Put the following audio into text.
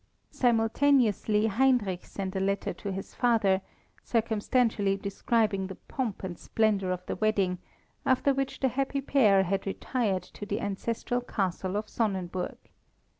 Simultaneously, Heinrich sent a letter to his father, circumstantially describing the pomp and splendour of the wedding, after which the happy pair had retired to the ancestral Castle of Sonnenburg.